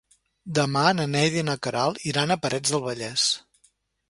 Demà na Neida i na Queralt iran a Parets del Vallès.